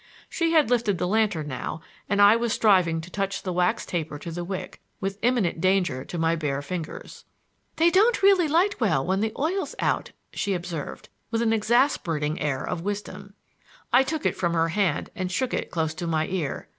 She had lifted the lantern now, and I was striving to touch the wax taper to the wick, with imminent danger to my bare fingers. "They don't really light well when the oil's out," she observed, with an exasperating air of wisdom. I took it from her hand and shook it close to my ear.